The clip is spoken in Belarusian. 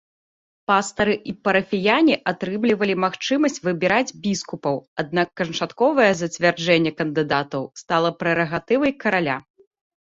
Пастары і парафіяне атрымлівалі магчымасць выбіраць біскупаў, аднак канчатковае зацвярджэнне кандыдатаў стала прэрагатывай караля.